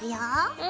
うん。